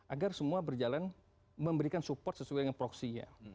agar semua berjalan memberikan support sesuai dengan proksinya